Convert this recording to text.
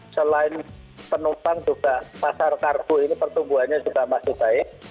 selain penumpang juga pasar kargo ini pertumbuhannya juga masih baik